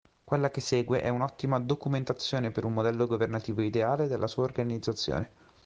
Quella che segue è un'ottima documentazione per un modello governativo ideale e della sua organizzazione.